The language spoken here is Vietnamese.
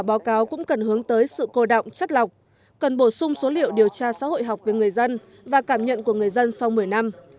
báo cáo cũng cần hướng tới sự cô động chất lọc cần bổ sung số liệu điều tra xã hội học về người dân và cảm nhận của người dân sau một mươi năm